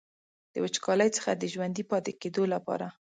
د وچکالۍ څخه د ژوندي پاتې کیدو لپاره.